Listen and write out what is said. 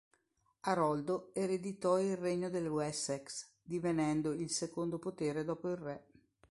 Aroldo ereditò il regno del Wessex divenendo il secondo potere dopo il re.